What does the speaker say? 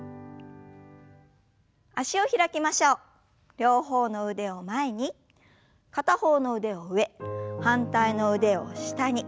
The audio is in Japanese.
両方の腕を前に片方の腕は上反対の腕を下に。